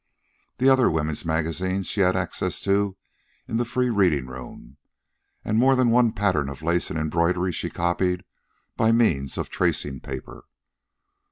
The other woman's magazines she had access to in the free reading room, and more than one pattern of lace and embroidery she copied by means of tracing paper.